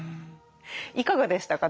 いかがでしたか？